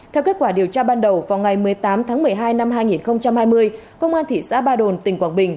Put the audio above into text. theo kết quả điều tra ban đầu vào ngày một mươi tám tháng một mươi hai năm hai nghìn hai mươi công an thị xã ba đồn tỉnh quảng bình